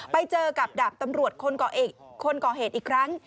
ไปเจอกับดาบตำรวจคนก่อเหตุอีกครั้ง